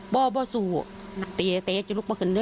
พ่อว่าสู้โตปล่ะนี้